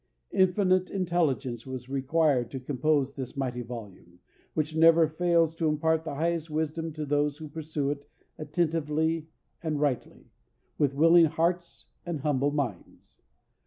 Infinite intelligence was required to compose this mighty volume, which never fails to impart the highest wisdom to those who peruse it attentively and rightly, with willing hearts and humble minds.